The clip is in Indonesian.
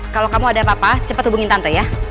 kalo kamu ada apa apa cepet hubungin tante ya